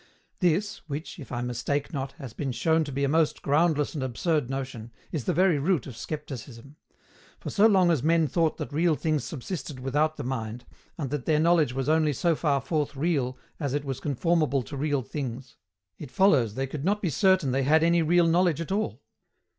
This, which, if I mistake not, has been shown to be a most groundless and absurd notion, is the very root of Scepticism; for, so long as men thought that real things subsisted without the mind, and that their knowledge was only so far forth real as it was conformable to real things, it follows they could not be certain they had any real knowledge at all.